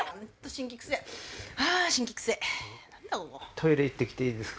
トイレ行ってきていいですか？